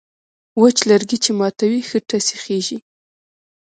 وچ لرگی چې ماتوې، ښه ټس یې خېژي.